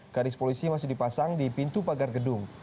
garis polisi masih dipasang di pintu pagar gedung